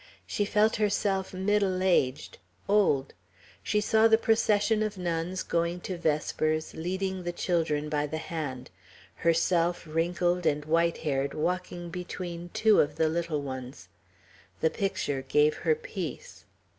She felt herself middle aged, old. She saw the procession of nuns, going to vespers, leading the children by the hand; herself wrinkled and white haired, walking between two of the little ones. The picture gave her peace.